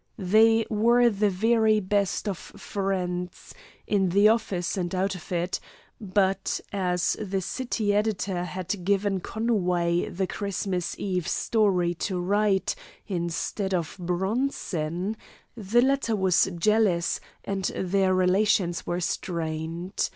They were the very best of friends, in the office and out of it; but as the city editor had given Conway the Christmas eve story to write instead of Bronson, the latter was jealous, and their relations were strained.